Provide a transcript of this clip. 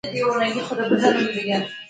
د نلونو ستونزې مو څوک حل کوی؟